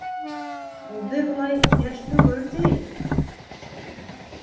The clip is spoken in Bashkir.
Үҙе, былай, йәш түгел, ти...